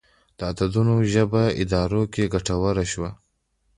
د عددونو ژبه په ادارو کې ګټوره شوه.